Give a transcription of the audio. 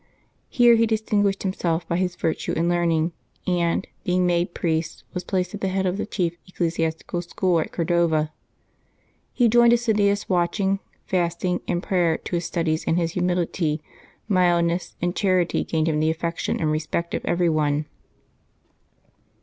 Here he distinguished himself, by his virtue and learning, and, being made priest, was placed at the head of the chief ecclesiastical school at Cordova. He joined assiduous watching, fasting, and prayer to his studies, and his humility, mildness, and charity gained him the affection and respect of every one.